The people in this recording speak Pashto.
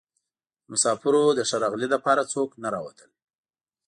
د مسافرو د ښه راغلي لپاره څوک نه راوتل.